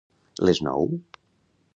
Les nou?